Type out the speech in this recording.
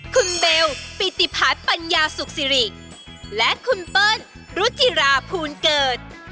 คุณเบลปิติพัฒน์ปัญญาสุขสิริและคุณเปิ้ลรุจิราภูลเกิด